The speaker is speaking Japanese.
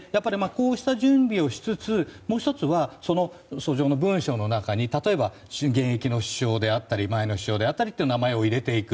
こうした準備をしつつもう１つは、訴状の中に例えば、現役の首相であったり前の首相であったりといった名前を入れていく。